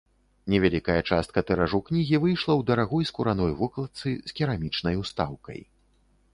Невялікая частка тыражу кнігі выйшла ў дарагой скураной вокладцы з керамічнай устаўкай.